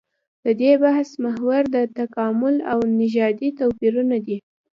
د دې بحث محور د تکامل او نژادي توپيرونه دي.